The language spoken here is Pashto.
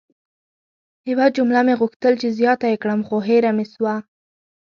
یوه جمله مې غوښتل چې زیاته ېې کړم خو هیره مې سوه!